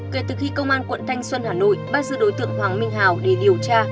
kể từ khi công an quận thanh xuân hà nội bắt giữ đối tượng hoàng minh hào để điều tra